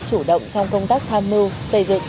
chủ động trong công tác tham mưu xây dựng